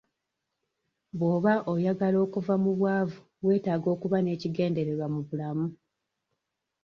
Bw'oba oyagala okuva mu bwavu weetaaga okuba n'ekigendererwa mu bulamu.